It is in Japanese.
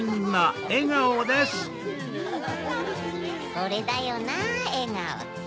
・これだよなえがおって。